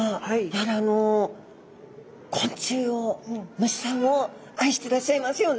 やはり昆虫を虫さんを愛してらっしゃいますよね。